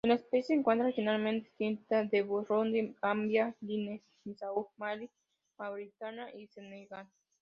La especie se encuentra regionalmente extinta en Burundi, Gambia, Guinea-Bissau, Mali, Mauritania y Senegal.